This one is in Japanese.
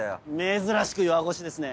珍しく弱腰ですね。